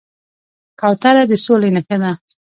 کوتره د سولې نښه ده.